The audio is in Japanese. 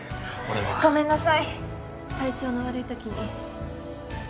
ごめんなさい体調の悪いときに。